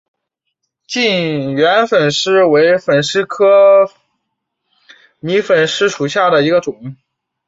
近圆粉虱为粉虱科迷粉虱属下的一个种。